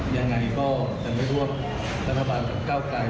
ยังไงก็จะไม่รวบกับราธบาลกล้าวไกร